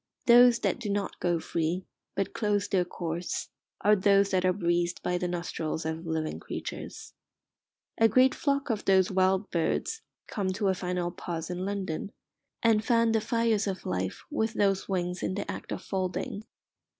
Those that do not go free, but close their course, are those that are breathed by the nostrils of living creatures. A great flock of those wild birds come to a final pause in London, and fan the fires of life with those wings in the act of folding.